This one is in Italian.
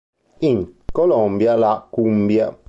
In Colombia la cumbia.